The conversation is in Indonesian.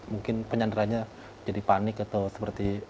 mungkin penyanderanya jadi panik atau seperti